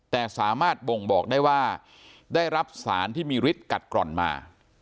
แต่สามารถบ่งบอกได้ว่าได้รับสารที่มีฤทธิ์กัดกร่อนมา